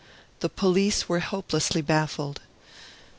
The police were hoplessly baffled.